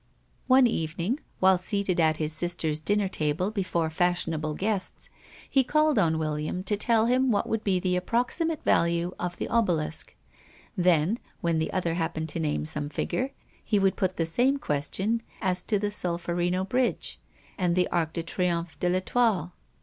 One evening, while seated at his sister's dinner table before fashionable guests, he called on William to tell him what would be the approximate value of the Obelisk; then, when the other happened to name some figure, he would put the same question as to the Solferino Bridge, and the Arc de Triomphe de l'Étoile.